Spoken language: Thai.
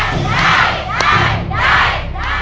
ได้